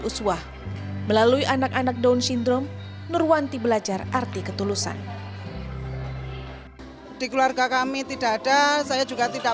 uswah melalui anak anak down sindrom nurwanti belajar arti ketulusan di keluarga kami tidak